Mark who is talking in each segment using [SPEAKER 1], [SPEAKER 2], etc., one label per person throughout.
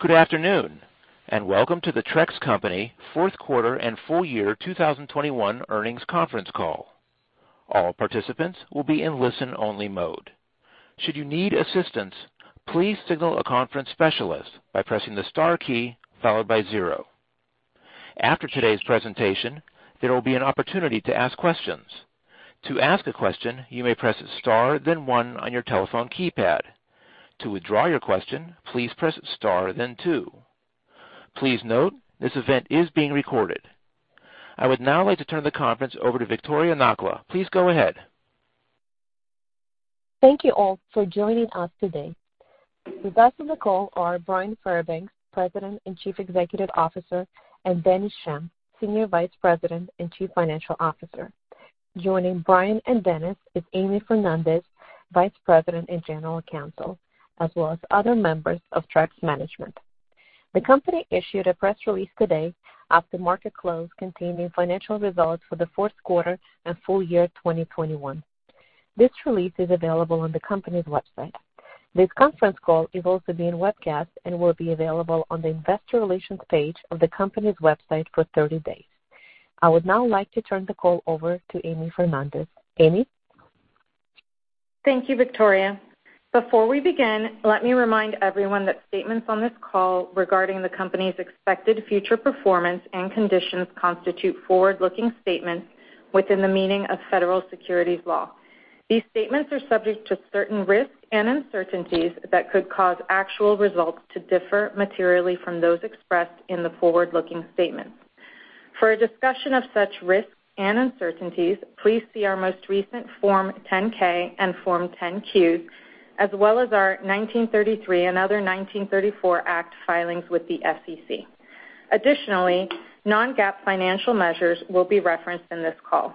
[SPEAKER 1] Good afternoon, and welcome to the Trex Company Fourth Quarter and Full year 2021 Earnings Conference Call. All participants will be in listen-only mode. Should you need assistance, please signal a conference specialist by pressing the star key followed by zero. After today's presentation, there will be an opportunity to ask questions. To ask a question, you may press star then one on your telephone keypad. To withdraw your question, please press star then two. Please note, this event is being recorded. I would now like to turn the conference over to Viktoriia Nakhla. Please go ahead.
[SPEAKER 2] Thank you all for joining us today. With us on the call are Bryan Fairbanks, President and Chief Executive Officer, and Dennis Schemm, Senior Vice President and Chief Financial Officer. Joining Bryan and Dennis is Amy Fernandez, Vice President and General Counsel, as well as other members of Trex management. The company issued a press release today after market close containing financial results for the fourth quarter and full year 2021. This release is available on the company's website. This conference call is also being webcast and will be available on the investor relations page of the company's website for 30 days. I would now like to turn the call over to Amy Fernandez. Amy?
[SPEAKER 3] Thank you, Victoria. Before we begin, let me remind everyone that statements on this call regarding the company's expected future performance and conditions constitute forward-looking statements within the meaning of federal securities law. These statements are subject to certain risks and uncertainties that could cause actual results to differ materially from those expressed in the forward-looking statements. For a discussion of such risks and uncertainties, please see our most recent Form 10-K and Form 10-Q, as well as our 1933 and other 1934 Act filings with the SEC. Additionally, non-GAAP financial measures will be referenced in this call.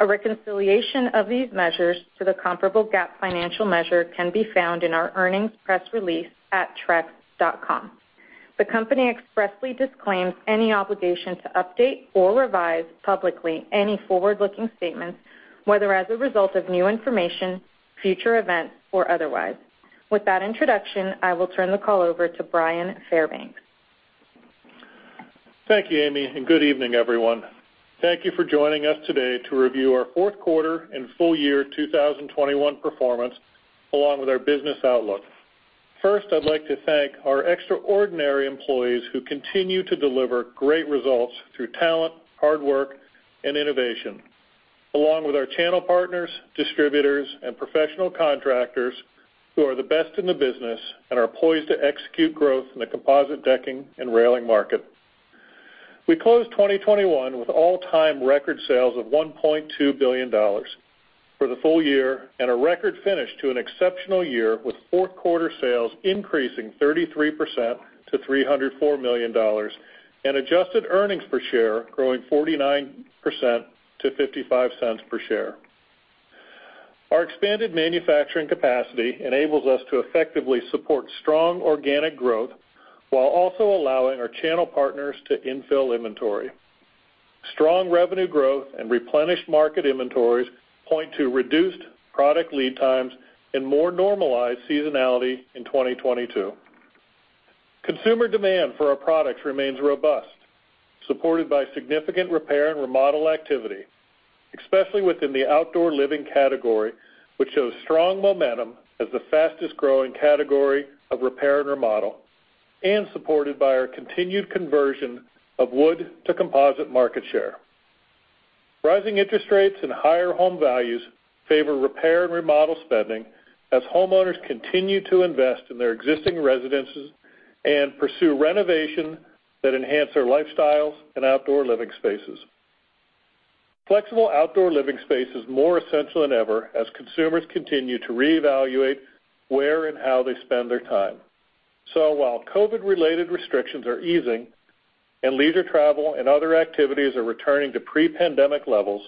[SPEAKER 3] A reconciliation of these measures to the comparable GAAP financial measure can be found in our earnings press release at trex.com. The company expressly disclaims any obligation to update or revise publicly any forward-looking statements, whether as a result of new information, future events, or otherwise. With that introduction, I will turn the call over to Bryan Fairbanks.
[SPEAKER 4] Thank you, Amy, and good evening, everyone. Thank you for joining us today to review our fourth quarter and full year 2021 performance along with our business outlook. First, I'd like to thank our extraordinary employees who continue to deliver great results through talent, hard work, and innovation, along with our channel partners, distributors, and professional contractors who are the best in the business and are poised to execute growth in the composite decking and railing market. We closed 2021 with all-time record sales of $1.2 billion for the full year and a record finish to an exceptional year with fourth quarter sales increasing 33% to $304 million and adjusted earnings per share growing 49% to $0.55 per share. Our expanded manufacturing capacity enables us to effectively support strong organic growth while also allowing our channel partners to infill inventory. Strong revenue growth and replenished market inventories point to reduced product lead times and more normalized seasonality in 2022. Consumer demand for our products remains robust, supported by significant repair and remodel activity, especially within the outdoor living category, which shows strong momentum as the fastest-growing category of repair and remodel and supported by our continued conversion of wood to composite market share. Rising interest rates and higher home values favor repair and remodel spending as homeowners continue to invest in their existing residences and pursue renovation that enhance their lifestyles and outdoor living spaces. Flexible outdoor living space is more essential than ever as consumers continue to reevaluate where and how they spend their time. While COVID-related restrictions are easing and leisure travel and other activities are returning to pre-pandemic levels,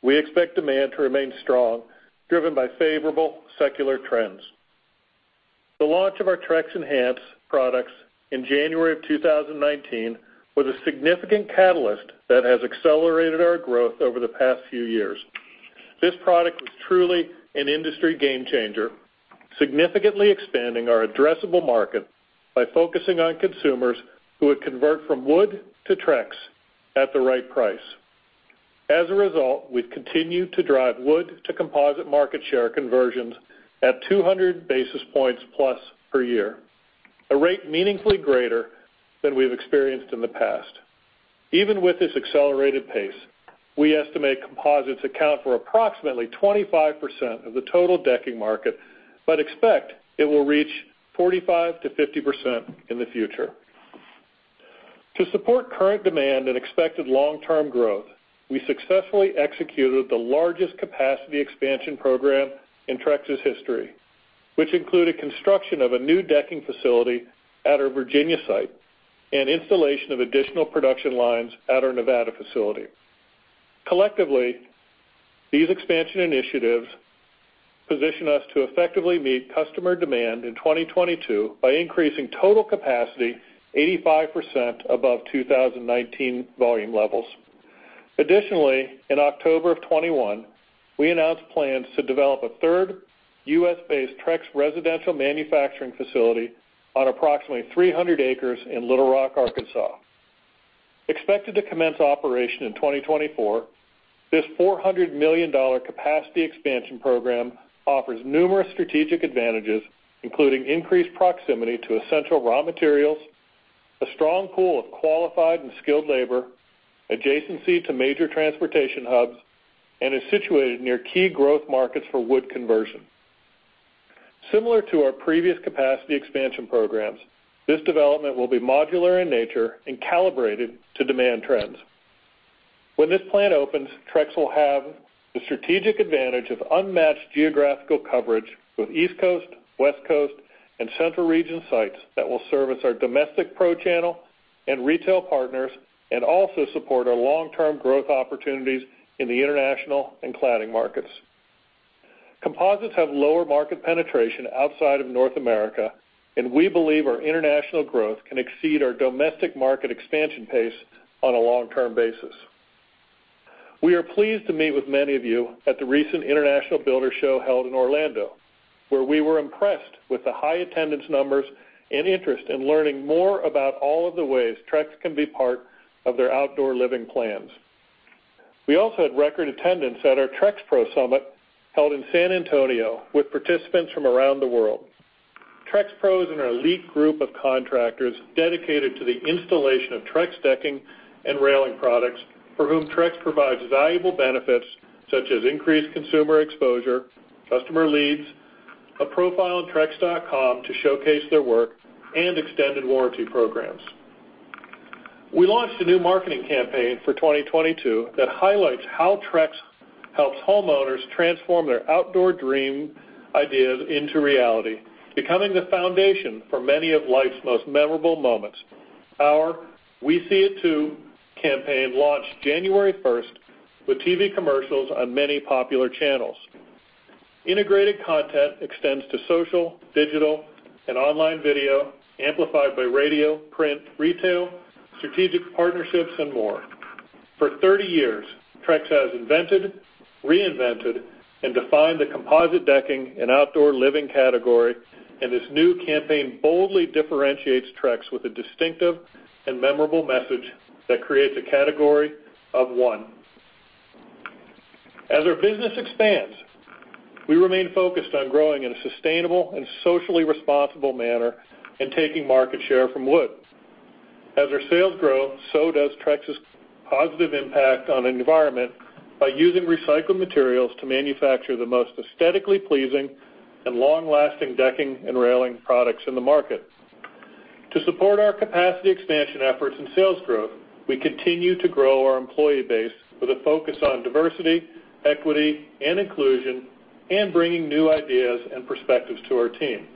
[SPEAKER 4] we expect demand to remain strong, driven by favorable secular trends. The launch of our Trex Enhance products in January 2019 was a significant catalyst that has accelerated our growth over the past few years. This product was truly an industry game changer, significantly expanding our addressable market by focusing on consumers who would convert from wood to Trex at the right price. As a result, we've continued to drive wood to composite market share conversions at 200 basis points plus per year, a rate meaningfully greater than we've experienced in the past. Even with this accelerated pace, we estimate composites account for approximately 25% of the total decking market, but expect it will reach 45%-50% in the future. To support current demand and expected long-term growth, we successfully executed the largest capacity expansion program in Trex's history, which included construction of a new decking facility at our Virginia site and installation of additional production lines at our Nevada facility. Collectively, these expansion initiatives position us to effectively meet customer demand in 2022 by increasing total capacity 85% above 2019 volume levels. Additionally, in October of 2021, we announced plans to develop a third U.S. based Trex Residential manufacturing facility on approximately 300 acres in Little Rock, Arkansas. Expected to commence operation in 2024, this $400 million capacity expansion program offers numerous strategic advantages, including increased proximity to essential raw materials, a strong pool of qualified and skilled labor, adjacency to major transportation hubs, and is situated near key growth markets for wood conversion. Similar to our previous capacity expansion programs, this development will be modular in nature and calibrated to demand trends. When this plant opens, Trex will have the strategic advantage of unmatched geographical coverage with East Coast, West Coast, and Central Region sites that will service our domestic pro channel and retail partners and also support our long-term growth opportunities in the international and cladding markets. Composites have lower market penetration outside of North America, and we believe our international growth can exceed our domestic market expansion pace on a long-term basis. We are pleased to meet with many of you at the recent International Builders' Show held in Orlando, where we were impressed with the high attendance numbers and interest in learning more about all of the ways Trex can be part of their outdoor living plans. We also had record attendance at our TrexPro Summit held in San Antonio with participants from around the world. TrexPros are an elite group of contractors dedicated to the installation of Trex Decking and Railing products for whom Trex provides valuable benefits such as increased consumer exposure, customer leads, a profile on trex.com to showcase their work, and extended warranty programs. We launched a new marketing campaign for 2022 that highlights how Trex helps homeowners transform their outdoor dream ideas into reality, becoming the foundation for many of life's most memorable moments. Our We See It Too campaign launched January first with TV commercials on many popular channels. Integrated content extends to social, digital, and online video, amplified by radio, print, retail, strategic partnerships, and more. For 30 years, Trex has invented, reinvented, and defined the composite decking and outdoor living category, and this new campaign boldly differentiates Trex with a distinctive and memorable message that creates a category of one. As our business expands, we remain focused on growing in a sustainable and socially responsible manner and taking market share from wood. As our sales grow, so does Trex's positive impact on environment by using recycled materials to manufacture the most aesthetically pleasing and long-lasting decking and railing products in the market. To support our capacity expansion efforts and sales growth, we continue to grow our employee base with a focus on diversity, equity, and inclusion, and bringing new ideas and perspectives to our team.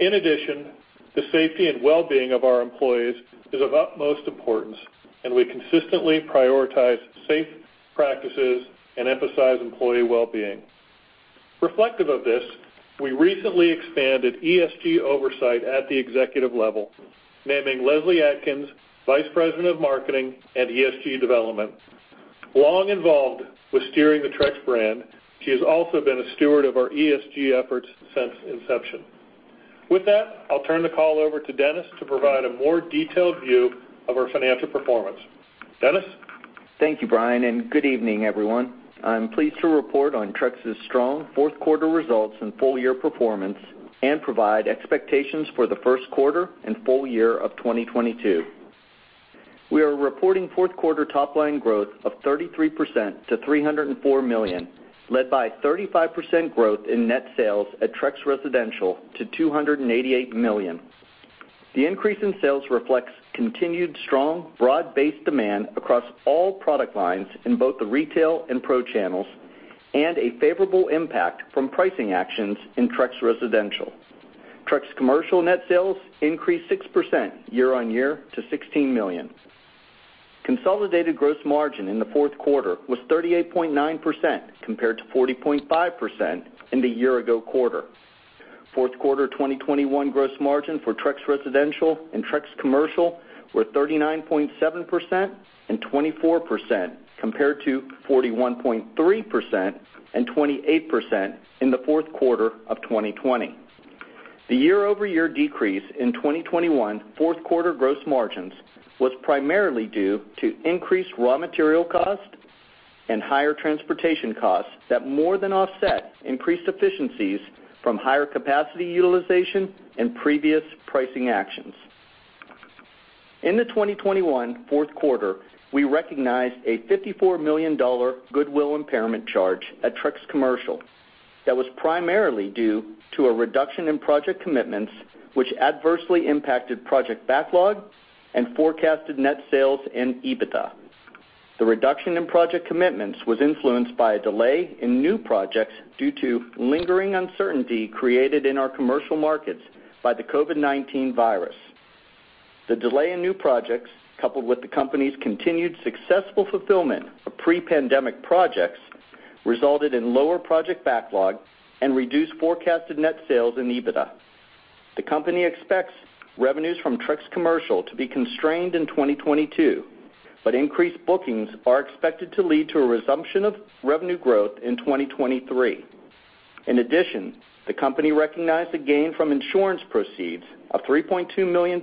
[SPEAKER 4] In addition, the safety and well-being of our employees is of utmost importance, and we consistently prioritize safe practices and emphasize employee well-being. Reflective of this, we recently expanded ESG oversight at the executive level, naming Leslie Adkins Vice President of Marketing and ESG Development. Long involved with steering the Trex brand, she has also been a steward of our ESG efforts since inception. With that, I'll turn the call over to Dennis to provide a more detailed view of our financial performance. Dennis?
[SPEAKER 5] Thank you, Bryan, and good evening, everyone. I'm pleased to report on Trex's strong fourth quarter results and full year performance and provide expectations for the first quarter and full year of 2022. We are reporting fourth quarter top line growth of 33% to $304 million, led by 35% growth in net sales at Trex Residential to $288 million. The increase in sales reflects continued strong, broad-based demand across all product lines in both the retail and pro channels and a favorable impact from pricing actions in Trex Residential. Trex Commercial net sales increased 6% year-over-year to $16 million. Consolidated gross margin in the fourth quarter was 38.9% compared to 40.5% in the year-ago quarter. Fourth quarter 2021 gross margin for Trex Residential and Trex Commercial were 39.7% and 24% compared to 41.3% and 28% in the fourth quarter of 2020. The year-over-year decrease in 2021 fourth quarter gross margins was primarily due to increased raw material costs and higher transportation costs that more than offset increased efficiencies from higher capacity utilization and previous pricing actions. In the 2021 fourth quarter, we recognized a $54 million goodwill impairment charge at Trex Commercial that was primarily due to a reduction in project commitments, which adversely impacted project backlog and forecasted net sales and EBITDA. The reduction in project commitments was influenced by a delay in new projects due to lingering uncertainty created in our commercial markets by the COVID-19 virus. The delay in new projects, coupled with the company's continued successful fulfillment of pre-pandemic projects, resulted in lower project backlog and reduced forecasted net sales and EBITDA. The company expects revenues from Trex Commercial to be constrained in 2022, but increased bookings are expected to lead to a resumption of revenue growth in 2023. In addition, the company recognized a gain from insurance proceeds of $3.2 million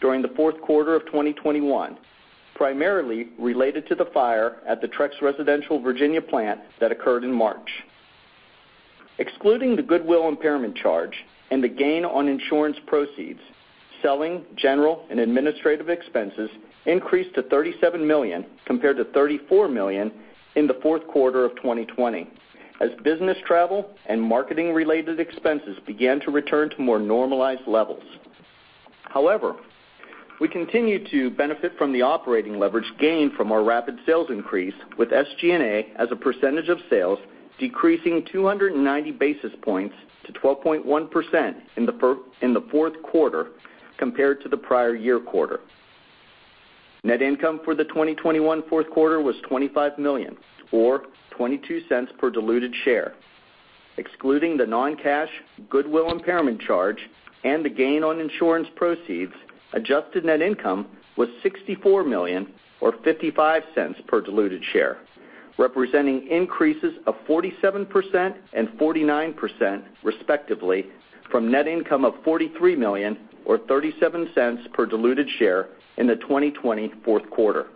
[SPEAKER 5] during the fourth quarter of 2021, primarily related to the fire at the Trex Residential Virginia plant that occurred in March. Excluding the goodwill impairment charge and the gain on insurance proceeds, selling, general and administrative expenses increased to $37 million compared to $34 million in the fourth quarter of 2020, as business travel and marketing-related expenses began to return to more normalized levels. However, we continue to benefit from the operating leverage gained from our rapid sales increase with SG&A as a percentage of sales decreasing 290 basis points to 12.1% in the fourth quarter compared to the prior year quarter. Net income for the 2021 fourth quarter was $25 million or $0.22 per diluted share. Excluding the non-cash goodwill impairment charge and the gain on insurance proceeds, adjusted net income was $64 million or $0.55 per diluted share, representing increases of 47% and 49% respectively from net income of $43 million or $0.37 per diluted share in the 2020 fourth quarter.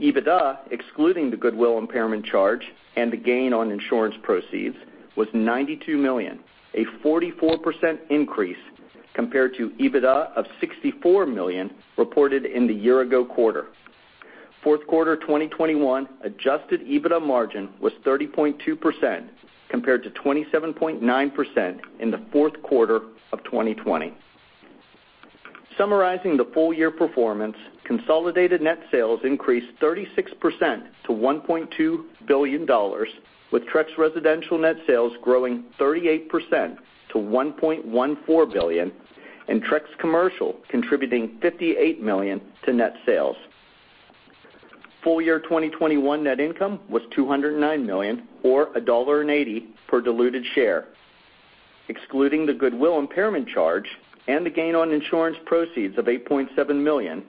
[SPEAKER 5] EBITDA, excluding the goodwill impairment charge and the gain on insurance proceeds, was $92 million, a 44% increase compared to EBITDA of $64 million reported in the year ago quarter. Fourth quarter 2021 adjusted EBITDA margin was 30.2% compared to 27.9% in the fourth quarter of 2020. Summarizing the full year performance, consolidated net sales increased 36% to $1.2 billion, with Trex Residential net sales growing 38% to $1.14 billion and Trex Commercial contributing $58 million to net sales. Full year 2021 net income was $209 million or $1.80 per diluted share. Excluding the goodwill impairment charge and the gain on insurance proceeds of $8.7 million,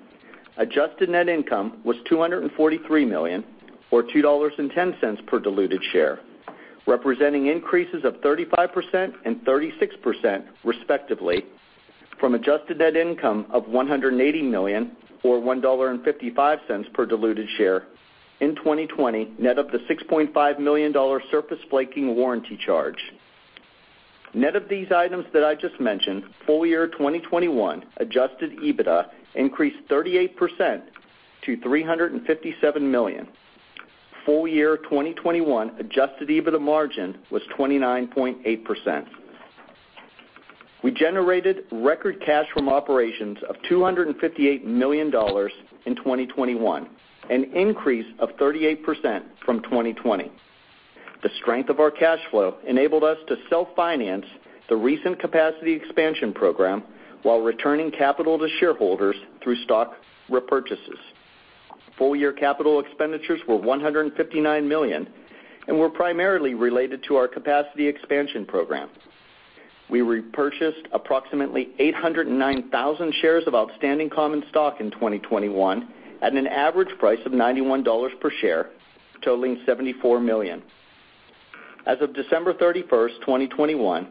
[SPEAKER 5] adjusted net income was $243 million or $2.10 per diluted share, representing increases of 35% and 36% respectively from adjusted net income of $180 million or $1.55 per diluted share in 2020, net of the $6.5 million surface flaking warranty charge. Net of these items that I just mentioned, full year 2021 adjusted EBITDA increased 38% to $357 million. Full year 2021 adjusted EBITDA margin was 29.8%. We generated record cash from operations of $258 million in 2021, an increase of 38% from 2020. The strength of our cash flow enabled us to self-finance the recent capacity expansion program while returning capital to shareholders through stock repurchases. Full year capital expenditures were $159 million and were primarily related to our capacity expansion program. We repurchased approximately 809,000 shares of outstanding common stock in 2021 at an average price of $91 per share, totaling $74 million. As of December 31, 2021,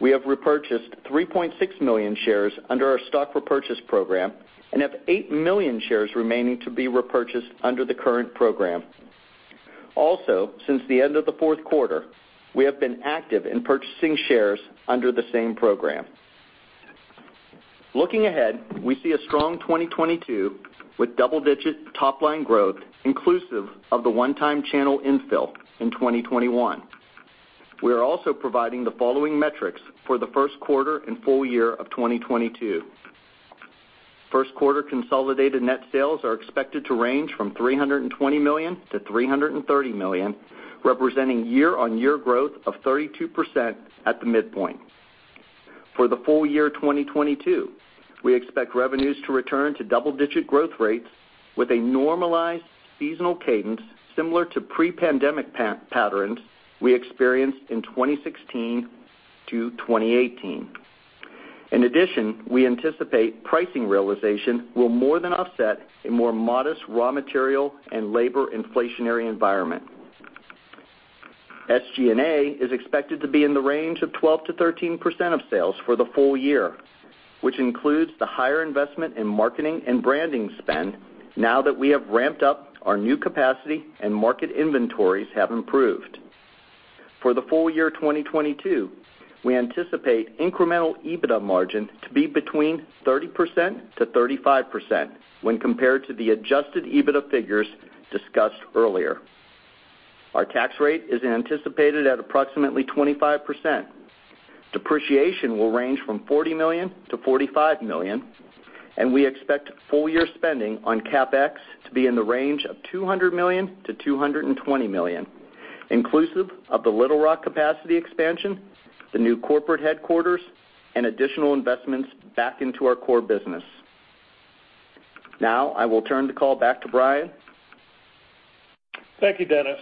[SPEAKER 5] we have repurchased 3.6 million shares under our stock repurchase program and have 8 million shares remaining to be repurchased under the current program. Also, since the end of the fourth quarter, we have been active in purchasing shares under the same program. Looking ahead, we see a strong 2022 with double-digit top line growth inclusive of the one-time channel infill in 2021. We are also providing the following metrics for the first quarter and full year of 2022. First quarter consolidated net sales are expected to range from $320 million-$330 million, representing year-on-year growth of 32% at the midpoint. For the full year 2022, we expect revenues to return to double-digit growth rates with a normalized seasonal cadence similar to pre-pandemic patterns we experienced in 2016-2018. In addition, we anticipate pricing realization will more than offset a more modest raw material and labor inflationary environment. SG&A is expected to be in the range of 12%-13% of sales for the full year, which includes the higher investment in marketing and branding spend now that we have ramped up our new capacity and market inventories have improved. For the full year 2022, we anticipate incremental EBITDA margin to be between 30%-35% when compared to the adjusted EBITDA figures discussed earlier. Our tax rate is anticipated at approximately 25%. Depreciation will range from $40 million-$45 million, and we expect full year spending on CapEx to be in the range of $200 million-$220 million, inclusive of the Little Rock capacity expansion, the new corporate headquarters and additional investments back into our core business. Now I will turn the call back to Bryan.
[SPEAKER 4] Thank you, Dennis.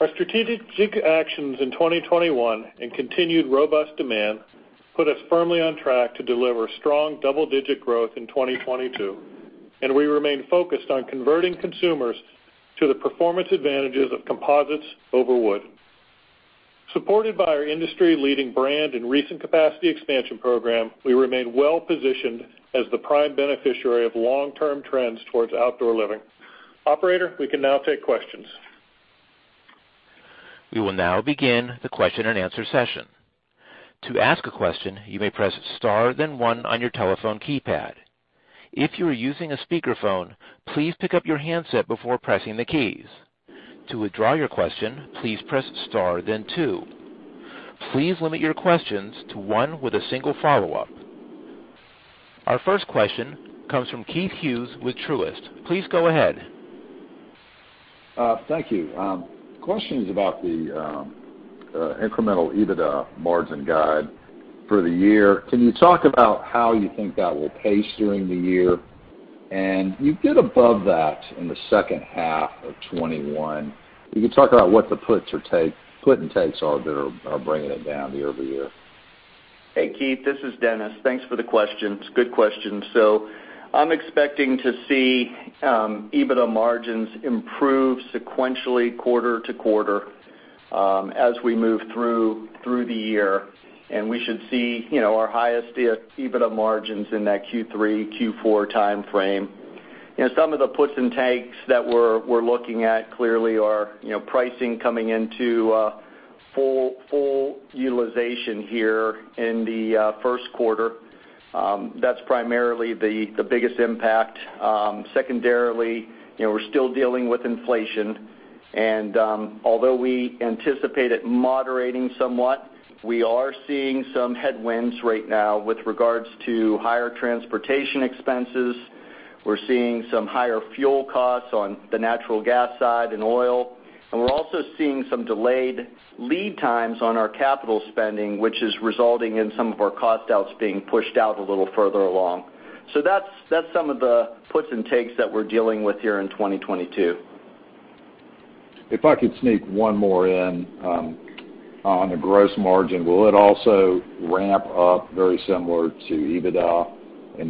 [SPEAKER 4] Our strategic actions in 2021 and continued robust demand put us firmly on track to deliver strong double-digit growth in 2022, and we remain focused on converting consumers to the performance advantages of composites over wood. Supported by our industry-leading brand and recent capacity expansion program, we remain well positioned as the prime beneficiary of long-term trends towards outdoor living. Operator, we can now take questions.
[SPEAKER 1] We will now begin the question-and-answer session. To ask a question, you may press star, then one on your telephone keypad. If you are using a speakerphone, please pick up your handset before pressing the keys. To withdraw your question, please press star then two. Please limit your questions to one with a single follow-up. Our first question comes from Keith Hughes with Truist. Please go ahead.
[SPEAKER 6] Thank you. Question's about the incremental EBITDA margin guide for the year. Can you talk about how you think that will pace during the year? You get above that in the second half of 2021. Can you talk about what the puts and takes are that are bringing it down year-over-year?
[SPEAKER 5] Hey, Keith, this is Dennis. Thanks for the questions. Good questions. I'm expecting to see EBITDA margins improve sequentially quarter to quarter as we move through the year, and we should see, you know, our highest EBITDA margins in that Q3, Q4 timeframe. You know, some of the puts and takes that we're looking at clearly are, you know, pricing coming into full utilization here in the first quarter. That's primarily the biggest impact. Secondarily, you know, we're still dealing with inflation. Although we anticipate it moderating somewhat, we are seeing some headwinds right now with regards to higher transportation expenses. We're seeing some higher fuel costs on the natural gas side and oil, and we're also seeing some delayed lead times on our capital spending, which is resulting in some of our cost outs being pushed out a little further along. That's some of the puts and takes that we're dealing with here in 2022.
[SPEAKER 6] If I could sneak one more in, on the gross margin, will it also ramp up very similar to EBITDA?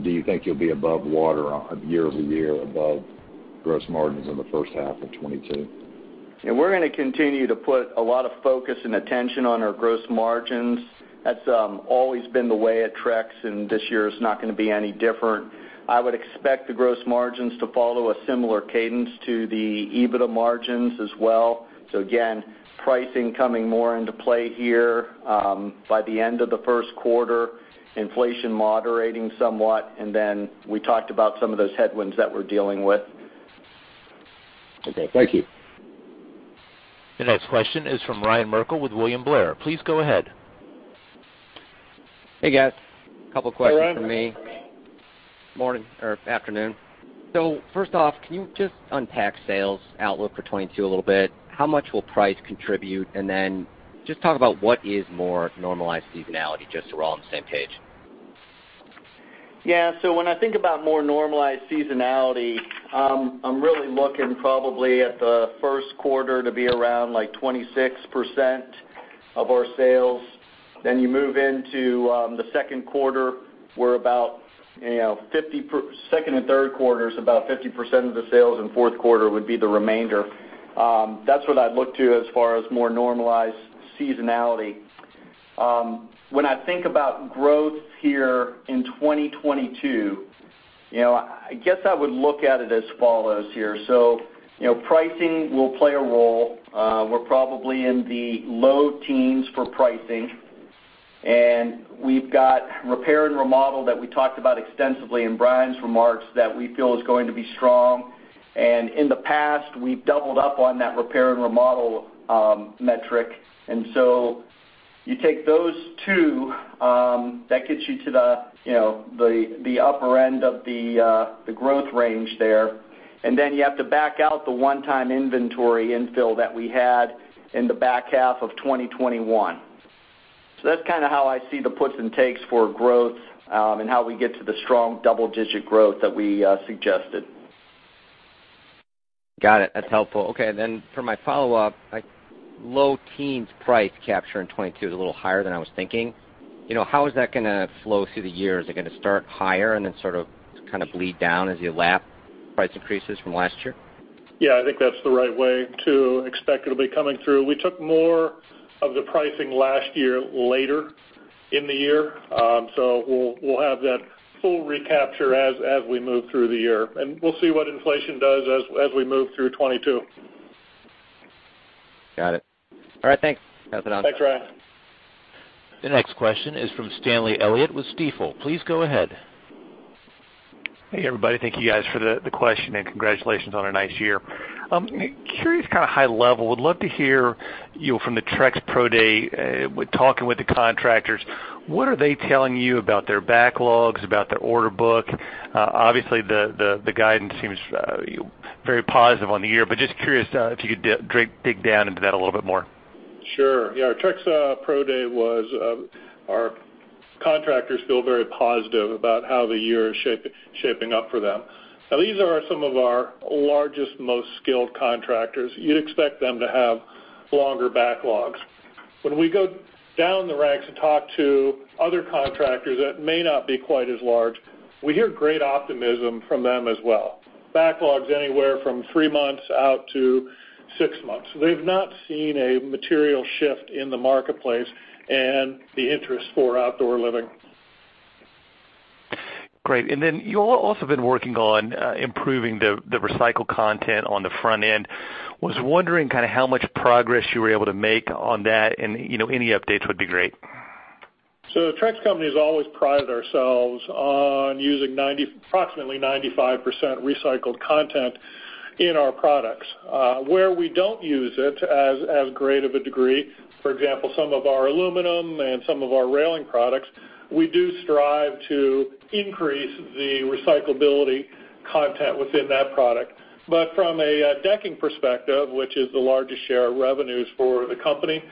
[SPEAKER 6] Do you think you'll be above water on year-over-year gross margins in the first half of 2022?
[SPEAKER 5] Yeah. We're gonna continue to put a lot of focus and attention on our gross margins. That's always been the way at Trex, and this year is not gonna be any different. I would expect the gross margins to follow a similar cadence to the EBITDA margins as well. Again, pricing coming more into play here, by the end of the first quarter, inflation moderating somewhat, and then we talked about some of those headwinds that we're dealing with.
[SPEAKER 6] Okay. Thank you.
[SPEAKER 1] The next question is from Ryan Merkel with William Blair. Please go ahead.
[SPEAKER 7] Hey, guys. Couple questions from me. Morning or afternoon. First off, can you just unpack sales outlook for 2022 a little bit? How much will price contribute? Just talk about what is more normalized seasonality, just so we're all on the same page.
[SPEAKER 5] Yeah. When I think about more normalized seasonality, I'm really looking probably at the first quarter to be around, like, 26% of our sales. You move into the second quarter, we're about, you know, second and third quarter is about 50% of the sales, and fourth quarter would be the remainder. That's what I'd look to as far as more normalized seasonality. When I think about growth here in 2022, you know, I guess I would look at it as follows here. You know, pricing will play a role. We're probably in the low teens for pricing. We've got repair and remodel that we talked about extensively in Bryan's remarks that we feel is going to be strong. In the past, we've doubled up on that repair and remodel metric. You take those two, that gets you to the upper end of the growth range there. You have to back out the one-time inventory infill that we had in the back half of 2021. That's kinda how I see the puts and takes for growth, and how we get to the strong double-digit growth that we suggested.
[SPEAKER 7] Got it. That's helpful. Okay, for my follow-up, like, low teens price capture in 2022 is a little higher than I was thinking. You know, how is that gonna flow through the year? Is it gonna start higher and then sort of, kind of bleed down as you lap price increases from last year?
[SPEAKER 5] Yeah. I think that's the right way to expect it'll be coming through. We took more of the pricing last year later in the year. So we'll have that full recapture as we move through the year, and we'll see what inflation does as we move through 2022.
[SPEAKER 7] Got it. All right, thanks. Pass it on.
[SPEAKER 5] Thanks, Ryan.
[SPEAKER 1] The next question is from Stanley Elliott with Stifel. Please go ahead.
[SPEAKER 8] Hey, everybody. Thank you guys for the question and congratulations on a nice year. Curious kinda high level, would love to hear, you know, from the TrexPro Day, with talking with the contractors, what are they telling you about their backlogs, about their order book? Obviously, the guidance seems very positive on the year. Just curious, if you could dig down into that a little bit more.
[SPEAKER 4] Sure. Yeah, our TrexPro Day was. Our contractors feel very positive about how the year is shaping up for them. Now, these are some of our largest, most skilled contractors. You'd expect them to have longer backlogs. When we go down the ranks and talk to other contractors that may not be quite as large, we hear great optimism from them as well. Backlogs anywhere from three months out to six months. They've not seen a material shift in the marketplace and the interest for outdoor living.
[SPEAKER 8] Great. You all also have been working on improving the recycled content on the front end. I was wondering kinda how much progress you were able to make on that and you know any updates would be great?
[SPEAKER 4] The Trex Company has always prided ourselves on using approximately 95% recycled content in our products. Where we don't use it as great of a degree, for example, some of our aluminum and some of our railing products, we do strive to increase the recycled content within that product. From a decking perspective, which is the largest share of revenues for the company,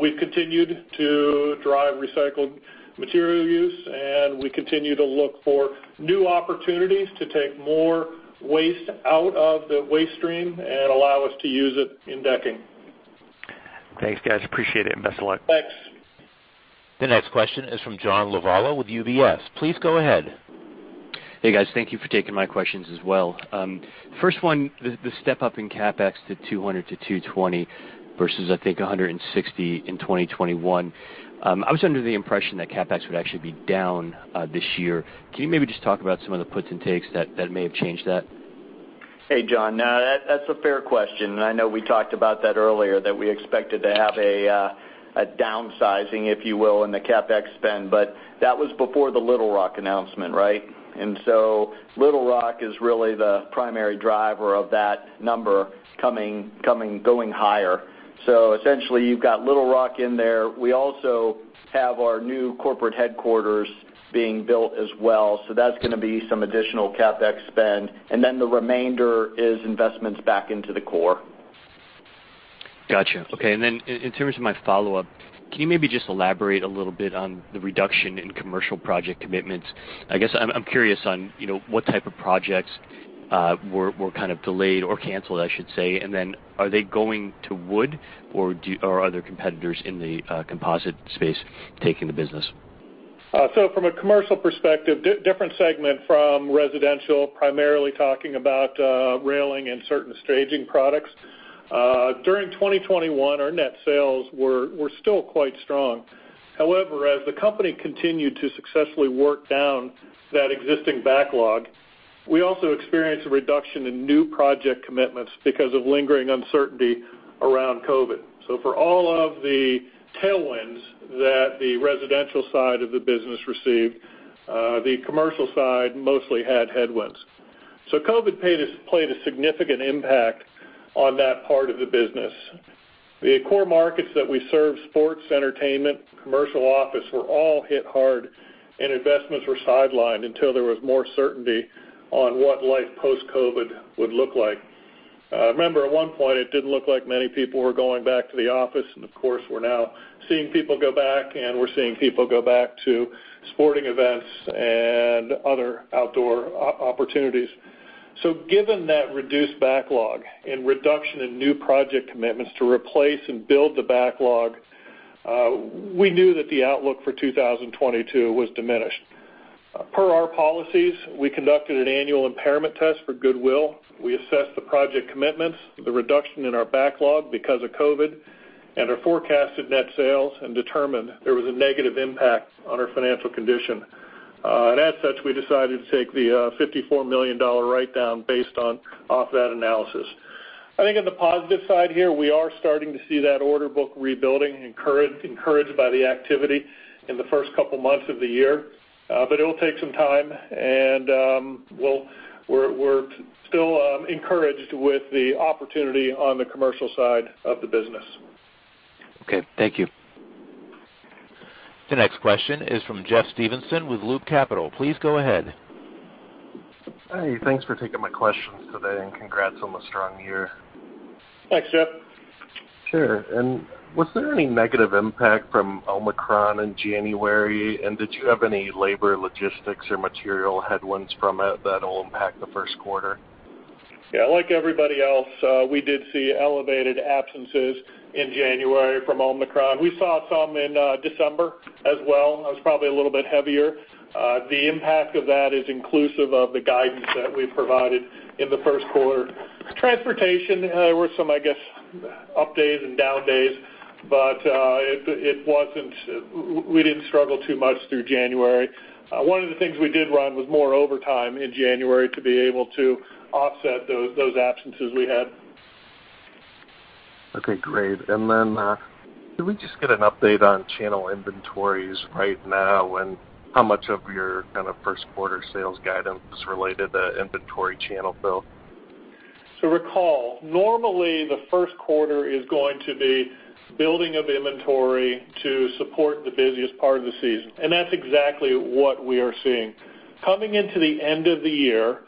[SPEAKER 4] we've continued to drive recycled material use, and we continue to look for new opportunities to take more waste out of the waste stream and allow us to use it in decking.
[SPEAKER 8] Thanks, guys. Appreciate it, and best of luck.
[SPEAKER 4] Thanks.
[SPEAKER 1] The next question is from John Lovallo with UBS. Please go ahead.
[SPEAKER 9] Hey, guys. Thank you for taking my questions as well. First one, the step up in CapEx to $200-$220 versus, I think, $160 in 2021, I was under the impression that CapEx would actually be down this year. Can you maybe just talk about some of the puts and takes that may have changed that?
[SPEAKER 5] Hey, John. No, that's a fair question, and I know we talked about that earlier, that we expected to have a downsizing, if you will, in the CapEx spend. That was before the Little Rock announcement, right? Little Rock is really the primary driver of that number going higher. Essentially, you've got Little Rock in there. We also have our new corporate headquarters being built as well, so that's gonna be some additional CapEx spend, and then the remainder is investments back into the core.
[SPEAKER 9] Gotcha. Okay. In terms of my follow-up, can you maybe just elaborate a little bit on the reduction in commercial project commitments? I guess I'm curious on, you know, what type of projects were kind of delayed or canceled, I should say. Are they going to wood or are other competitors in the composite space taking the business?
[SPEAKER 4] From a commercial perspective, different segment from residential, primarily talking about railing and certain staging products. During 2021, our net sales were still quite strong. However, as the company continued to successfully work down that existing backlog, we also experienced a reduction in new project commitments because of lingering uncertainty around COVID. For all of the tailwinds that the residential side of the business received, the commercial side mostly had headwinds. COVID played a significant impact on that part of the business. The core markets that we serve, sports, entertainment, commercial office, were all hit hard, and investments were sidelined until there was more certainty on what life post-COVID would look like. Remember, at one point, it didn't look like many people were going back to the office, and of course, we're now seeing people go back, and we're seeing people go back to sporting events and other outdoor opportunities. Given that reduced backlog and reduction in new project commitments to replace and build the backlog, we knew that the outlook for 2022 was diminished. Per our policies, we conducted an annual impairment test for goodwill. We assessed the project commitments, the reduction in our backlog because of COVID, and our forecasted net sales, and determined there was a negative impact on our financial condition. As such, we decided to take the $54 million write-down based on that analysis. I think on the positive side here, we are starting to see that order book rebuilding, encouraged by the activity in the first couple months of the year, but it'll take some time, and we're still encouraged with the opportunity on the commercial side of the business.
[SPEAKER 9] Okay, thank you.
[SPEAKER 1] The next question is from Jeff Stevenson with Loop Capital. Please go ahead.
[SPEAKER 10] Hi. Thanks for taking my questions today, and congrats on the strong year.
[SPEAKER 4] Thanks, Jeff.
[SPEAKER 10] Sure. Was there any negative impact from Omicron in January? Did you have any labor, logistics, or material headwinds from it that'll impact the first quarter?
[SPEAKER 4] Yeah. Like everybody else, we did see elevated absences in January from Omicron. We saw some in December as well. It was probably a little bit heavier. The impact of that is inclusive of the guidance that we provided in the first quarter. Transportation, there were some, I guess, up days and down days, but it wasn't. We didn't struggle too much through January. One of the things we did run was more overtime in January to be able to offset those absences we had.
[SPEAKER 10] Okay, great. Can we just get an update on channel inventories right now, and how much of your kind of first quarter sales guidance is related to inventory channel fill?
[SPEAKER 4] Recall, normally the first quarter is going to be building of inventory to support the busiest part of the season, and that's exactly what we are seeing. Coming into the end of the year,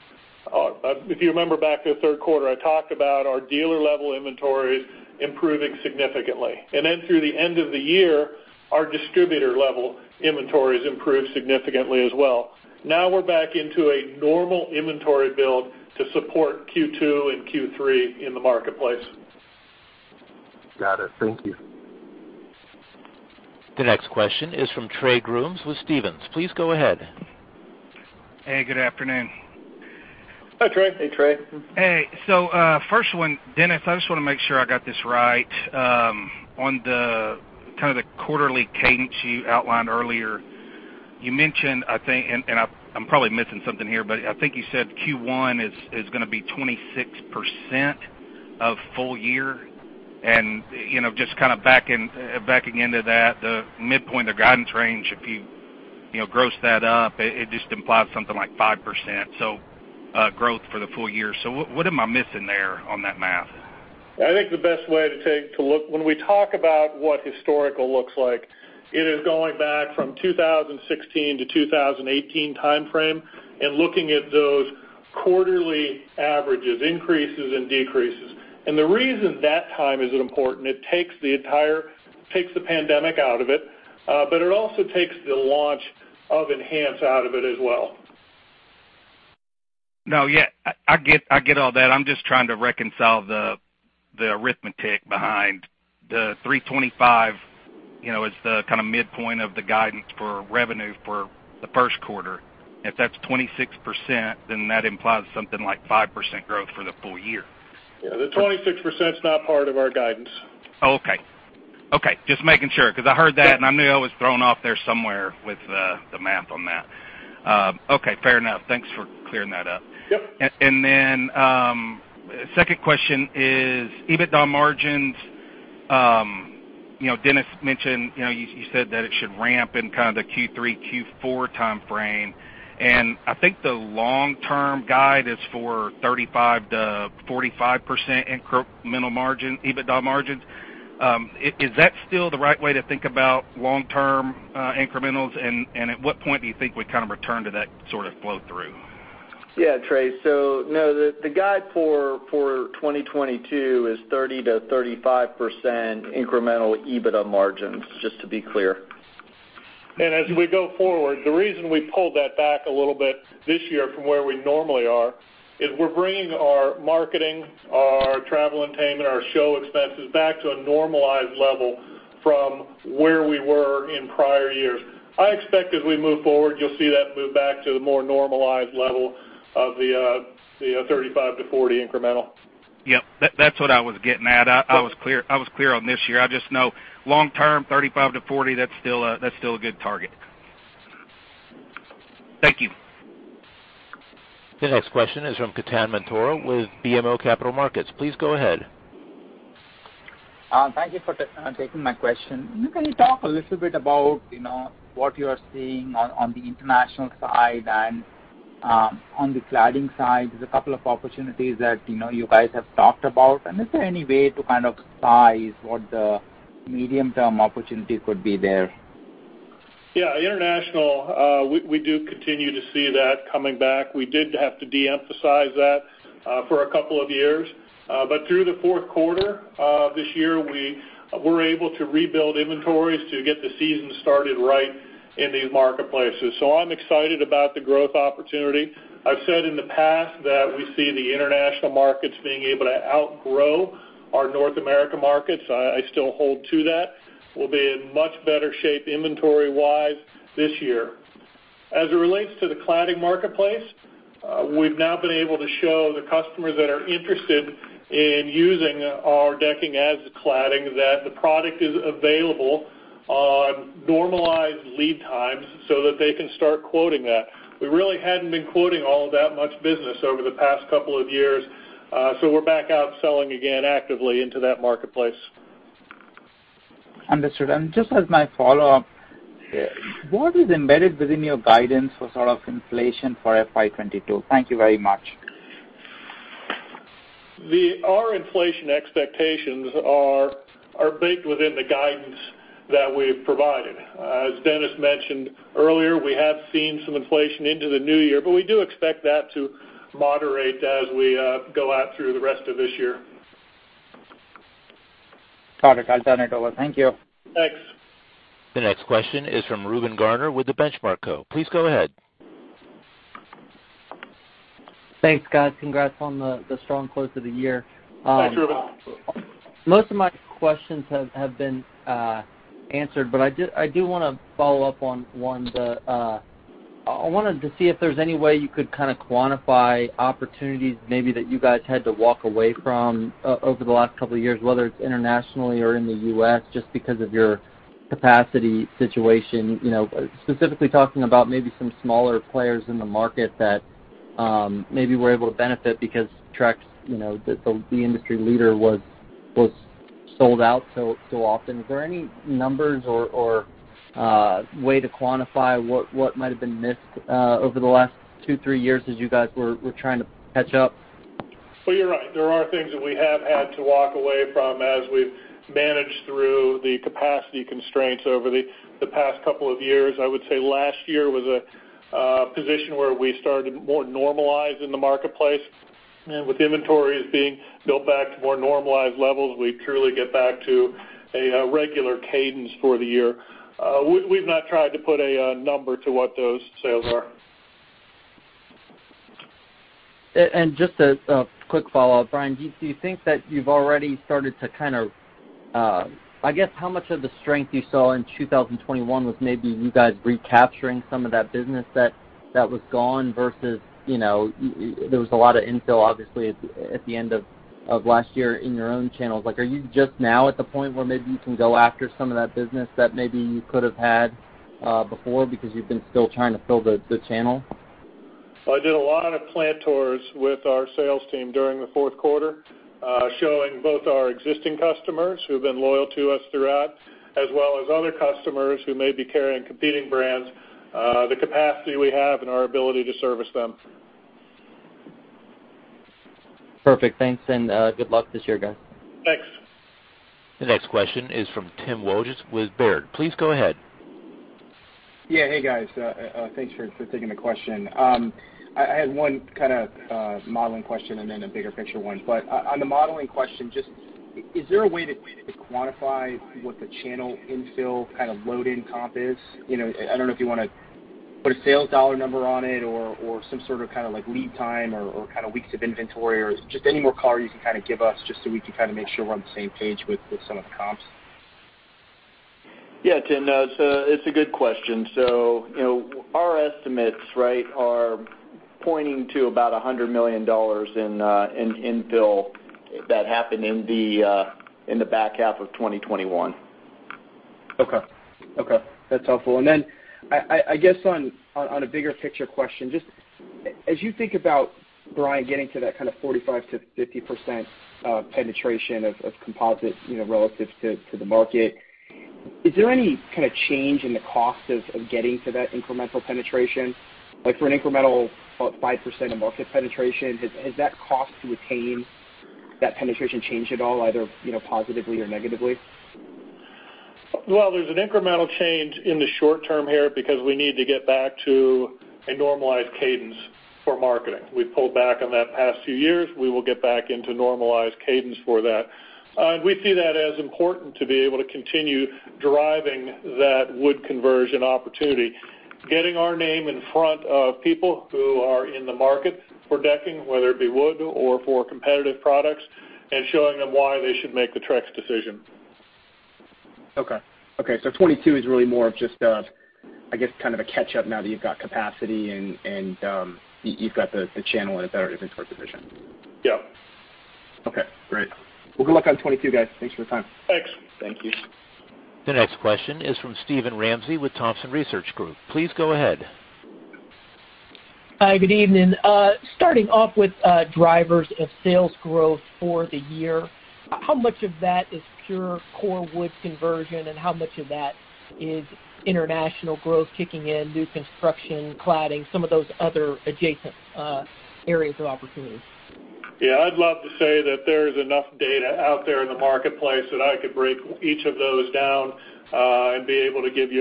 [SPEAKER 4] if you remember back to the third quarter, I talked about our dealer level inventories improving significantly. Then through the end of the year, our distributor level inventories improved significantly as well. Now we're back into a normal inventory build to support Q2 and Q3 in the marketplace.
[SPEAKER 10] Got it. Thank you.
[SPEAKER 1] The next question is from Trey Grooms with Stephens. Please go ahead.
[SPEAKER 11] Hey, good afternoon.
[SPEAKER 4] Hi, Trey.
[SPEAKER 5] Hey, Trey.
[SPEAKER 11] Hey. First one, Dennis, I just wanna make sure I got this right. On the kind of quarterly cadence you outlined earlier, you mentioned, I think, I'm probably missing something here, but I think you said Q1 is gonna be 26% of full year. You know, just kinda backing into that, the midpoint of the guidance range, if you know, gross that up, it just implies something like 5% growth for the full year. What am I missing there on that math?
[SPEAKER 4] When we talk about what historical looks like, it is going back from 2016 to 2018 timeframe and looking at those quarterly averages, increases and decreases. The reason that time is important, it takes the pandemic out of it, but it also takes the launch of Enhance out of it as well.
[SPEAKER 11] No, yeah, I get all that. I'm just trying to reconcile the arithmetic behind the 325, you know, as the kinda midpoint of the guidance for revenue for the first quarter. If that's 26%, then that implies something like 5% growth for the full year.
[SPEAKER 4] Yeah. The 26%'s not part of our guidance.
[SPEAKER 11] Oh, okay. Okay, just making sure 'cause I heard that.
[SPEAKER 4] Yep.
[SPEAKER 11] I knew I was thrown off there somewhere with the math on that. Okay, fair enough. Thanks for clearing that up.
[SPEAKER 4] Yep.
[SPEAKER 11] Then second question is EBITDA margins. You know, Dennis mentioned. You know, you said that it should ramp in kind of the Q3, Q4 timeframe. I think the long-term guide is for 35%-45% incremental margin EBITDA margins. Is that still the right way to think about long-term incrementals? At what point do you think we kind of return to that sort of flow through?
[SPEAKER 5] Yeah, Trey. No, the guide for 2022 is 30%-35% incremental EBITDA margins, just to be clear.
[SPEAKER 4] As we go forward, the reason we pulled that back a little bit this year from where we normally are is we're bringing our marketing, our travel entertainment, our show expenses back to a normalized level from where we were in prior years. I expect as we move forward, you'll see that move back to the more normalized level of the 35-40 incremental.
[SPEAKER 11] Yep. That's what I was getting at. I was clear on this year. I just know long term, 35%-40%, that's still a good target. Thank you.
[SPEAKER 1] The next question is from Ketan Mamtora with BMO Capital Markets. Please go ahead.
[SPEAKER 12] Thank you for taking my question. Can you talk a little bit about, you know, what you are seeing on the international side and on the cladding side? There's a couple of opportunities that, you know, you guys have talked about. Is there any way to kind of size what the medium-term opportunity could be there?
[SPEAKER 4] Yeah. International, we do continue to see that coming back. We did have to de-emphasize that for a couple of years. Through the fourth quarter this year, we were able to rebuild inventories to get the season started right in these marketplaces. I'm excited about the growth opportunity. I've said in the past that we see the international markets being able to outgrow our North America markets. I still hold to that. We'll be in much better shape inventory-wise this year. As it relates to the cladding marketplace, we've now been able to show the customers that are interested in using our decking as cladding that the product is available on normalized lead times so that they can start quoting that. We really hadn't been quoting all that much business over the past couple of years, so we're back out selling again actively into that marketplace.
[SPEAKER 12] Understood. Just as my follow-up, what is embedded within your guidance for sort of inflation for FY 2022? Thank you very much.
[SPEAKER 4] Our inflation expectations are baked within the guidance that we've provided. As Dennis mentioned earlier, we have seen some inflation into the new year, but we do expect that to moderate as we go out through the rest of this year.
[SPEAKER 12] Got it. I'll turn it over. Thank you.
[SPEAKER 4] Thanks.
[SPEAKER 1] The next question is from Reuben Garner with The Benchmark Co. Please go ahead.
[SPEAKER 13] Thanks, guys. Congrats on the strong close of the year.
[SPEAKER 4] Thanks, Reuben.
[SPEAKER 13] Most of my questions have been answered, but I do wanna follow up on one. I wanted to see if there's any way you could kinda quantify opportunities maybe that you guys had to walk away from over the last couple of years, whether it's internationally or in the U.S., just because of your capacity situation, you know, specifically talking about maybe some smaller players in the market that maybe were able to benefit because Trex, you know, the industry leader was sold out so often. Is there any numbers or way to quantify what might have been missed over the last two, three years as you guys were trying to catch up?
[SPEAKER 4] You're right. There are things that we have had to walk away from as we've managed through the capacity constraints over the past couple of years. I would say last year was a position where we started more normalized in the marketplace. With inventories being built back to more normalized levels, we truly get back to a regular cadence for the year. We've not tried to put a number to what those sales are.
[SPEAKER 13] Just a quick follow-up, Bryan. Do you think that you've already started to kind of, I guess how much of the strength you saw in 2021 was maybe you guys recapturing some of that business that was gone versus, you know, there was a lot of infill obviously at the end of last year in your own channels. Like, are you just now at the point where maybe you can go after some of that business that maybe you could have had before because you've been still trying to fill the channel?
[SPEAKER 4] Well, I did a lot of plant tours with our sales team during the fourth quarter, showing both our existing customers who've been loyal to us throughout, as well as other customers who may be carrying competing brands, the capacity we have and our ability to service them.
[SPEAKER 13] Perfect. Thanks, and, good luck this year, guys.
[SPEAKER 4] Thanks.
[SPEAKER 1] The next question is from Timothy Wojs with Baird. Please go ahead.
[SPEAKER 14] Yeah. Hey, guys. Thanks for taking the question. I had one kinda modeling question and then a bigger picture one. On the modeling question, just is there a way to quantify what the channel infill kind of load-in comp is? You know, I don't know if you wanna put a sales dollar number on it or some sort of kinda like lead time or kinda weeks of inventory or just any more color you can kinda give us just so we can kinda make sure we're on the same page with some of the comps.
[SPEAKER 5] Yeah, Tim. No, it's a good question. You know, our estimates, right, are pointing to about $100 million in infill that happened in the back half of 2021.
[SPEAKER 14] Okay. Okay, that's helpful. Then I guess on a bigger picture question, just as you think about, Bryan, getting to that kind of 45%-50% penetration of composite, you know, relative to the market, is there any kind of change in the cost of getting to that incremental penetration? Like for an incremental about 5% of market penetration, has that cost to attain that penetration changed at all, either, you know, positively or negatively?
[SPEAKER 4] Well, there's an incremental change in the short term here because we need to get back to a normalized cadence for marketing. We pulled back on that past few years. We will get back into normalized cadence for that. We see that as important to be able to continue driving that wood conversion opportunity, getting our name in front of people who are in the market for decking, whether it be wood or for competitive products, and showing them why they should make the Trex decision.
[SPEAKER 14] Okay, 2022 is really more of just a, I guess, kind of a catch-up now that you've got capacity and you've got the channel in a better inventory position.
[SPEAKER 4] Yeah.
[SPEAKER 14] Okay, great. Well, good luck on 2022, guys. Thanks for the time.
[SPEAKER 4] Thanks.
[SPEAKER 5] Thank you.
[SPEAKER 1] The next question is from Steven Ramsey with Thompson Research Group. Please go ahead.
[SPEAKER 15] Hi, good evening. Starting off with drivers of sales growth for the year, how much of that is pure core wood conversion, and how much of that is international growth kicking in, new construction, cladding, some of those other adjacent areas of opportunities?
[SPEAKER 4] Yeah, I'd love to say that there's enough data out there in the marketplace that I could break each of those down, and be able to give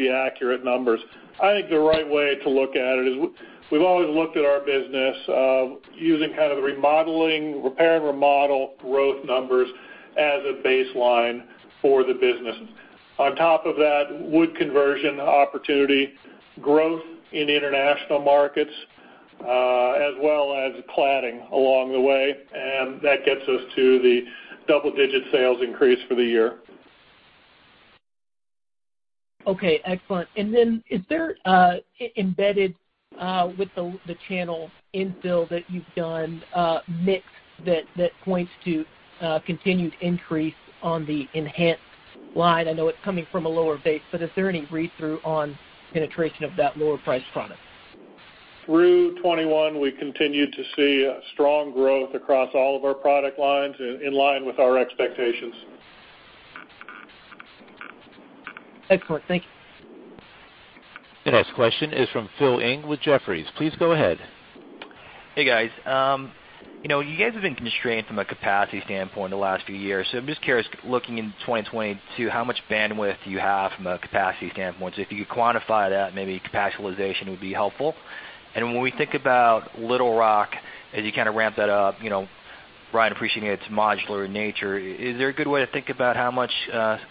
[SPEAKER 4] you accurate numbers. I think the right way to look at it is we've always looked at our business, using kind of the remodeling, repair and remodel growth numbers as a baseline for the business. On top of that, wood conversion opportunity, growth in international markets, as well as cladding along the way, and that gets us to the double-digit sales increase for the year.
[SPEAKER 15] Okay, excellent. Is there embedded with the channel infill that you've done, mix shift that points to continued increase on the Enhance line? I know it's coming from a lower base, but is there any read-through on penetration of that lower priced product?
[SPEAKER 4] Through 2021, we continued to see a strong growth across all of our product lines in line with our expectations.
[SPEAKER 15] Excellent. Thank you.
[SPEAKER 1] The next question is from Philip Ng with Jefferies. Please go ahead.
[SPEAKER 16] Hey, guys. You know, you guys have been constrained from a capacity standpoint the last few years, so I'm just curious, looking into 2022, how much bandwidth do you have from a capacity standpoint? So if you could quantify that, maybe capacity utilization would be helpful. When we think about Little Rock, as you kinda ramp that up, you know, Bryan, appreciating its modular nature, is there a good way to think about how much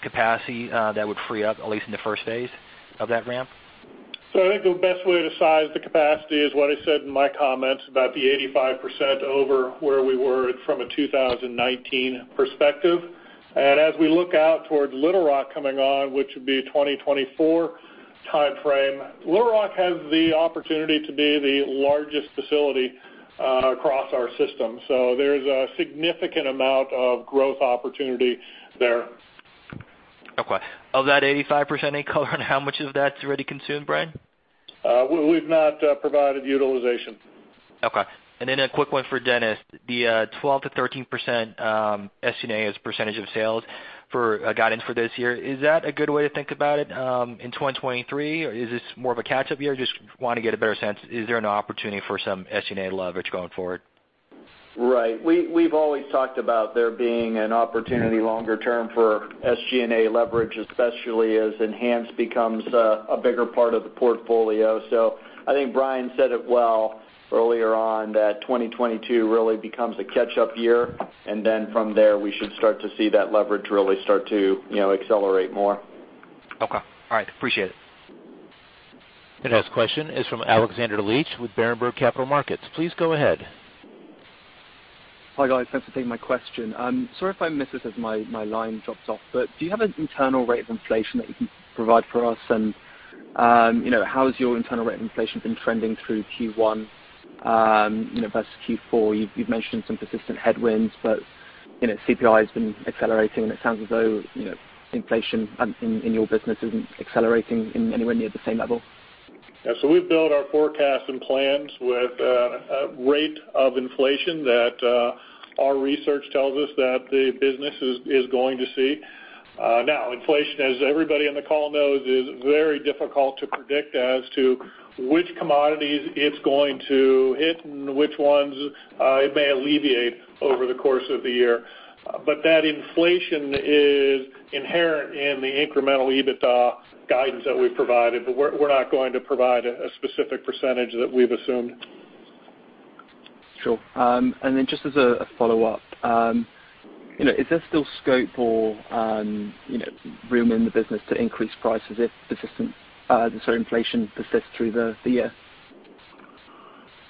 [SPEAKER 16] capacity that would free up at least in the first phase of that ramp?
[SPEAKER 4] I think the best way to size the capacity is what I said in my comments about the 85% over where we were from a 2019 perspective. As we look out towards Little Rock coming on, which would be 2024 timeframe, Little Rock has the opportunity to be the largest facility across our system. There's a significant amount of growth opportunity there.
[SPEAKER 16] Okay. Of that 85%, any color on how much of that's already consumed, Bryan?
[SPEAKER 4] We've not provided utilization.
[SPEAKER 16] Okay. A quick one for Dennis. The 12%-13% SG&A as a percentage of sales for guidance for this year, is that a good way to think about it, in 2023, or is this more of a catch-up year? Just wanna get a better sense. Is there an opportunity for some SG&A leverage going forward?
[SPEAKER 5] Right. We've always talked about there being an opportunity longer term for SG&A leverage, especially as Enhance becomes a bigger part of the portfolio. I think Bryan said it well earlier on that 2022 really becomes a catch-up year. From there, we should start to see that leverage really start to, you know, accelerate more.
[SPEAKER 16] Okay. All right. Appreciate it.
[SPEAKER 1] The next question is from Alexander Leach with Berenberg Capital Markets. Please go ahead.
[SPEAKER 17] Hi, guys. Thanks for taking my question. Sorry if I missed this as my line dropped off. Do you have an internal rate of inflation that you can provide for us? You know, how has your internal rate inflation been trending through Q1 versus Q4? You've mentioned some persistent headwinds, but you know, CPI has been accelerating, and it sounds as though you know, inflation in your business isn't accelerating at anywhere near the same level.
[SPEAKER 4] Yeah, we've built our forecasts and plans with a rate of inflation that our research tells us that the business is going to see. Now inflation, as everybody on the call knows, is very difficult to predict as to which commodities it's going to hit and which ones it may alleviate over the course of the year. That inflation is inherent in the incremental EBITDA guidance that we provided. We're not going to provide a specific percentage that we've assumed.
[SPEAKER 17] Sure. Just as a follow-up, is there still scope or room in the business to increase prices if persistent inflation persists through the year?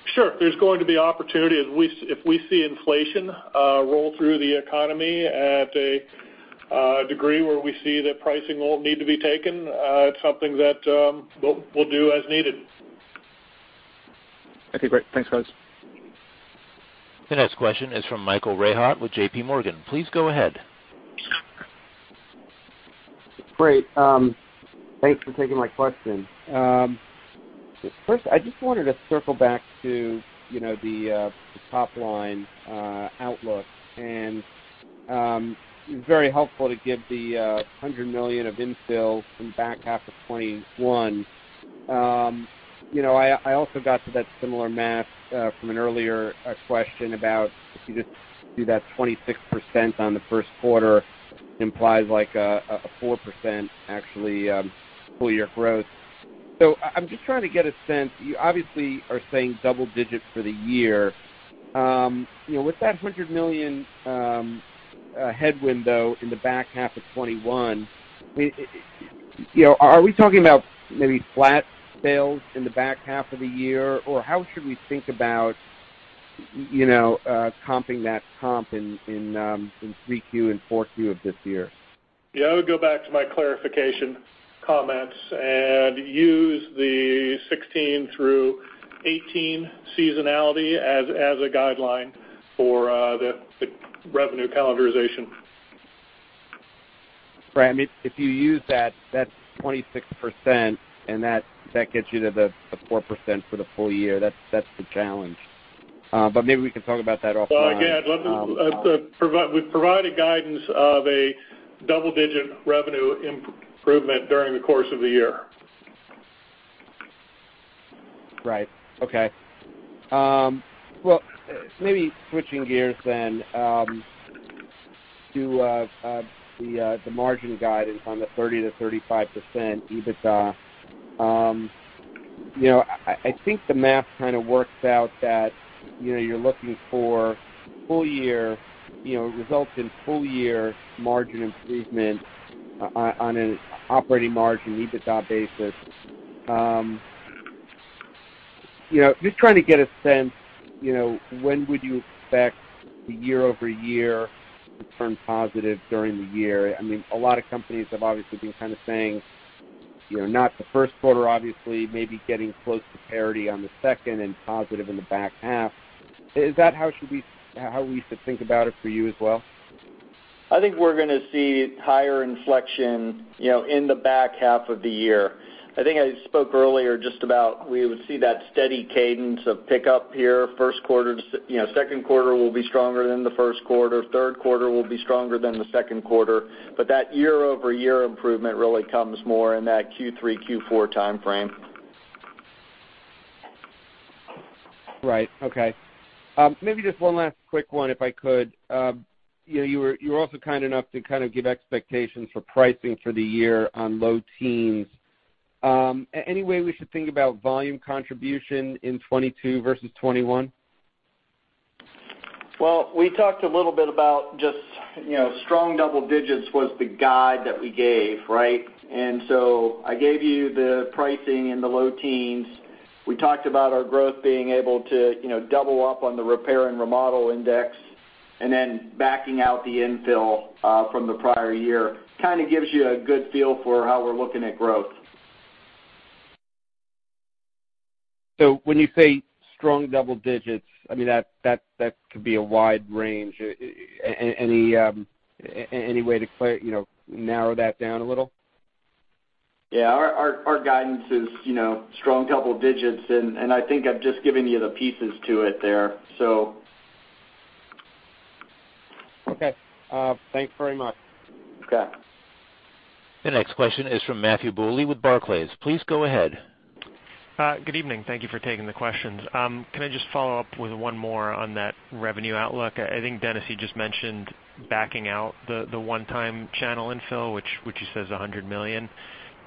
[SPEAKER 4] Sure. There's going to be opportunity. If we see inflation roll through the economy at a degree where we see that pricing will need to be taken, it's something that we'll do as needed.
[SPEAKER 17] Okay, great. Thanks, guys.
[SPEAKER 1] The next question is from Michael Rehaut with JPMorgan. Please go ahead.
[SPEAKER 18] Great. Thanks for taking my question. First, I just wanted to circle back to, you know, the top line outlook, and very helpful to give the $100 million of infill from back half of 2021. You know, I also got to that similar math from an earlier question about if you just do that 26% on the first quarter implies like a 4% actually full year growth. I'm just trying to get a sense. You obviously are saying double-digit for the year. You know, with that $100 million headwind though in the back half of 2021, you know, are we talking about maybe flat sales in the back half of the year? How should we think about, you know, comping that comp in 3Q and 4Q of this year?
[SPEAKER 4] Yeah. I would go back to my clarification comments and use the 16-18 seasonality as a guideline for the revenue calendarization.
[SPEAKER 18] Right. I mean, if you use that's 26%, and that gets you to the 4% for the full year. That's the challenge. Maybe we can talk about that offline.
[SPEAKER 4] Well, again, we've provided guidance of a double-digit revenue improvement during the course of the year.
[SPEAKER 18] Right. Okay. Well, maybe switching gears then, to the margin guidance on the 30%-35% EBITDA. You know, I think the math kind of works out that, you know, you're looking for full year, you know, results in full year margin improvement on an operating margin EBITDA basis. You know, just trying to get a sense, you know, when would you expect the year-over-year to turn positive during the year? I mean, a lot of companies have obviously been kind of saying, you know, not the first quarter, obviously, maybe getting close to parity on the second and positive in the back half. Is that how we should think about it for you as well?
[SPEAKER 5] I think we're gonna see higher inflection, you know, in the back half of the year. I think I spoke earlier just about we would see that steady cadence of pickup here first quarter. You know, second quarter will be stronger than the first quarter. Third quarter will be stronger than the second quarter. That year-over-year improvement really comes more in that Q3, Q4 timeframe.
[SPEAKER 18] Right. Okay. Maybe just one last quick one, if I could. You know, you were also kind enough to kind of give expectations for pricing for the year on low teens. Any way we should think about volume contribution in 2022 versus 2021?
[SPEAKER 5] Well, we talked a little bit about just, you know, strong double digits was the guide that we gave, right? I gave you the pricing in the low teens. We talked about our growth being able to, you know, double up on the repair and remodel index, and then backing out the infill from the prior year kinda gives you a good feel for how we're looking at growth.
[SPEAKER 18] When you say strong double digits, I mean, that could be a wide range. Any way to clarify, you know, narrow that down a little?
[SPEAKER 5] Yeah. Our guidance is, you know, strong double digits, and I think I've just given you the pieces to it there. So
[SPEAKER 18] Okay. Thanks very much.
[SPEAKER 4] Okay.
[SPEAKER 1] The next question is from Matthew Bouley with Barclays. Please go ahead.
[SPEAKER 19] Good evening. Thank you for taking the questions. Can I just follow up with one more on that revenue outlook? I think Dennis, you just mentioned backing out the one-time channel infill, which you said is $100 million.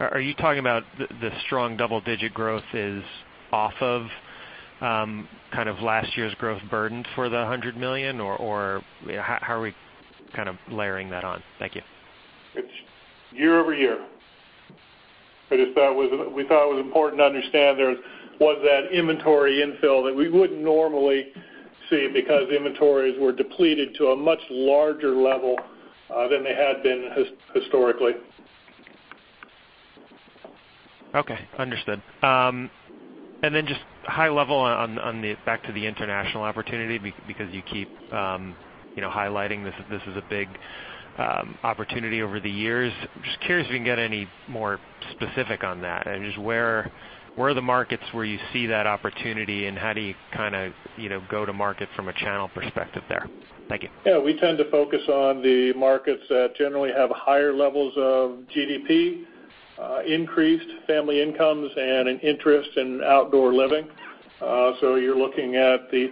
[SPEAKER 19] Are you talking about the strong double-digit growth is off of kind of last year's growth burden for the $100 million? Or how are we kind of layering that on? Thank you.
[SPEAKER 4] It's year-over-year. We thought it was important to understand there was that inventory infill that we wouldn't normally see because inventories were depleted to a much larger level than they had been historically.
[SPEAKER 19] Okay. Understood. Just high level back to the international opportunity because you keep you know highlighting this is a big opportunity over the years. Just curious if you can get any more specific on that, and just where are the markets where you see that opportunity, and how do you kinda you know go to market from a channel perspective there? Thank you.
[SPEAKER 4] Yeah. We tend to focus on the markets that generally have higher levels of GDP, increased family incomes, and an interest in outdoor living. You're looking at the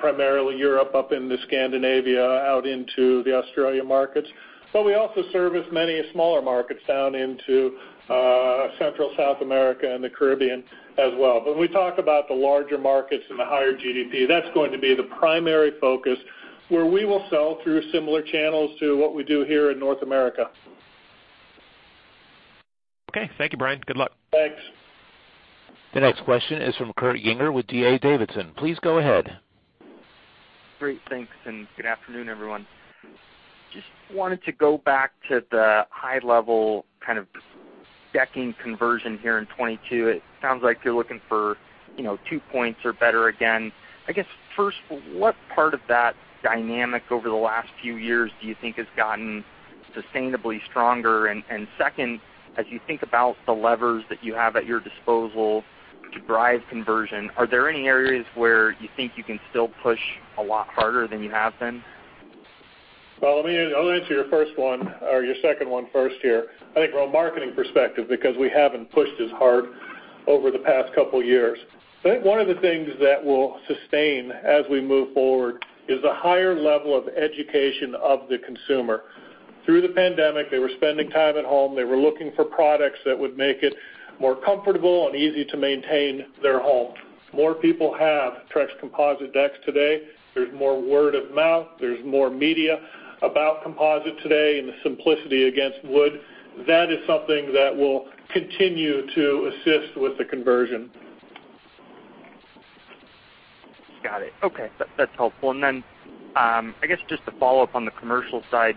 [SPEAKER 4] primarily Europe, up into Scandinavia, out into the Australia markets. We also service many smaller markets down into Central South America and the Caribbean as well. When we talk about the larger markets and the higher GDP, that's going to be the primary focus where we will sell through similar channels to what we do here in North America.
[SPEAKER 19] Okay. Thank you, Bryan. Good luck.
[SPEAKER 4] Thanks.
[SPEAKER 1] The next question is from Kurt Yinger with D.A. Davidson. Please go ahead.
[SPEAKER 20] Great. Thanks, and good afternoon, everyone. Just wanted to go back to the high level kind of decking conversion here in 2022. It sounds like you're looking for, you know, two points or better again. I guess, first, what part of that dynamic over the last few years do you think has gotten sustainably stronger? Second, as you think about the levers that you have at your disposal to drive conversion, are there any areas where you think you can still push a lot harder than you have been?
[SPEAKER 4] Well, I'll answer your first one or your second one first here. I think from a marketing perspective, because we haven't pushed as hard over the past couple years. I think one of the things that will sustain as we move forward is the higher level of education of the consumer. Through the pandemic, they were spending time at home. They were looking for products that would make it more comfortable and easy to maintain their home. More people have Trex composite decks today. There's more word of mouth. There's more media about composite today and the simplicity against wood. That is something that will continue to assist with the conversion.
[SPEAKER 20] Got it. Okay. That's helpful. Then, I guess, just to follow up on the commercial side,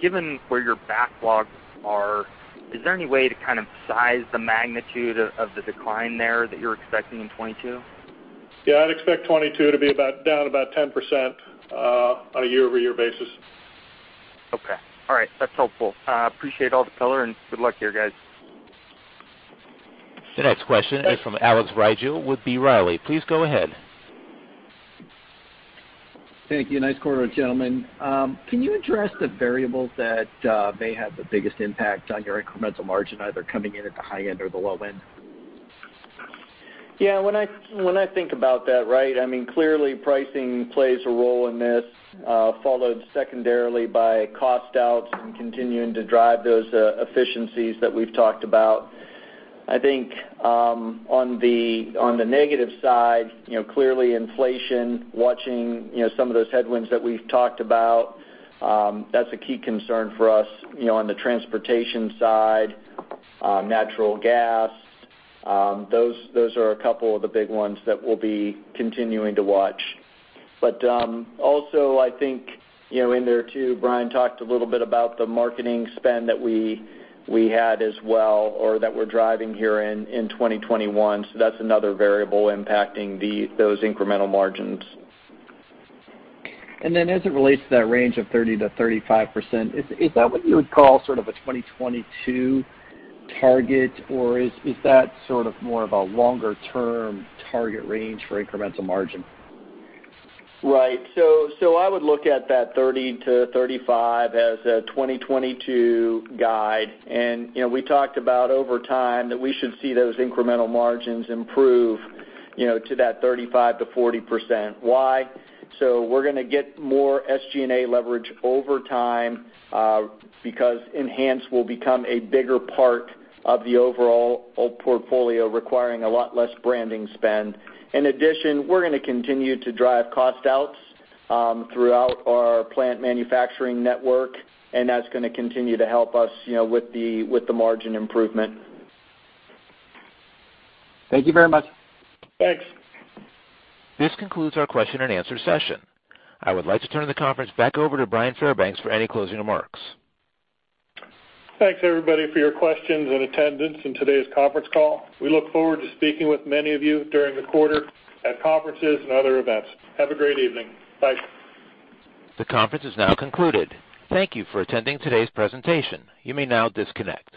[SPEAKER 20] given where your backlogs are, is there any way to kind of size the magnitude of the decline there that you're expecting in 2022?
[SPEAKER 4] Yeah. I'd expect 2022 to be about down about 10% on a year-over-year basis.
[SPEAKER 20] Okay. All right. That's helpful. I appreciate all the color, and good luck to you guys.
[SPEAKER 1] The next question is from Alex Rygiel with B. Riley. Please go ahead.
[SPEAKER 21] Thank you. Nice quarter, gentlemen. Can you address the variables that may have the biggest impact on your incremental margin, either coming in at the high end or the low end?
[SPEAKER 4] Yeah. When I think about that, right? I mean, clearly pricing plays a role in this, followed secondarily by cost outs and continuing to drive those efficiencies that we've talked about. I think, on the negative side, you know, clearly inflation, watching, you know, some of those headwinds that we've talked about, that's a key concern for us, you know, on the transportation side, natural gas, those are a couple of the big ones that we'll be continuing to watch. Also I think, you know, in there too, Bryan talked a little bit about the marketing spend that we had as well or that we're driving here in 2021, so that's another variable impacting those incremental margins.
[SPEAKER 21] As it relates to that range of 30%-35%, is that what you would call sort of a 2022 target or is that sort of more of a longer term target range for incremental margin?
[SPEAKER 4] Right. I would look at that 30%-35% as a 2022 guide. You know, we talked about over time that we should see those incremental margins improve, you know, to that 35%-40%. Why? We're gonna get more SG&A leverage over time, because Enhance will become a bigger part of the overall portfolio, requiring a lot less branding spend. In addition, we're gonna continue to drive cost outs throughout our plant manufacturing network, and that's gonna continue to help us, you know, with the margin improvement.
[SPEAKER 21] Thank you very much.
[SPEAKER 4] Thanks.
[SPEAKER 1] This concludes our question and answer session. I would like to turn the conference back over to Bryan Fairbanks for any closing remarks.
[SPEAKER 4] Thanks, everybody, for your questions and attendance in today's conference call. We look forward to speaking with many of you during the quarter at conferences and other events. Have a great evening. Bye.
[SPEAKER 1] The conference is now concluded. Thank you for attending today's presentation. You may now disconnect.